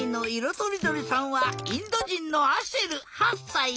とりどりさんはインドじんのアシェル８さい。